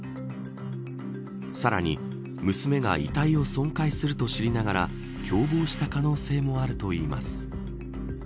さらに、娘が遺体を損壊すると知りながら共謀した可能性もあるといいます。